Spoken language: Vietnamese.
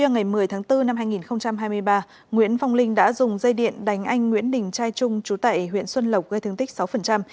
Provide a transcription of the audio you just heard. nguyễn phong linh đã dùng dây điện đánh anh nguyễn đình trai trung chú tại huyện xuân lộc gây thương tích sáu